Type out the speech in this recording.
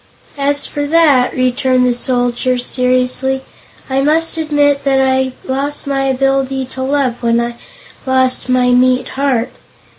"As for that," returned the Soldier, seriously, "I must admit I lost my ability to love when I lost my meat heart.